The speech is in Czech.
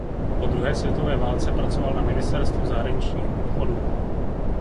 Po druhé světové válce pracoval na ministerstvu zahraničního obchodu.